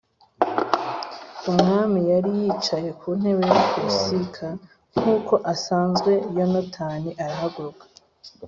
Umwami yari yicaye ku ntebe yo ku rusika nk’uko asanzwe, Yonatani arahaguruka.